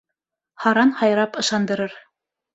Һаран һайрап ышандырыр.